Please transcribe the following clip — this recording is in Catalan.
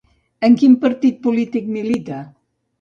En quin partit polític milita?